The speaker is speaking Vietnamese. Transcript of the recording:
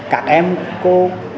các em có